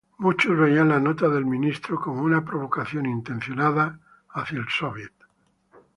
Muchos veían la nota del ministro como una provocación intencionada hacia el Sóviet.